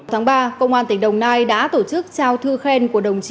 tháng ba công an tỉnh đồng nai đã tổ chức trao thư khen của đồng chí